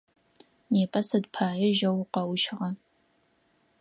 Непэ сыд пае жьэу укъэущыгъа?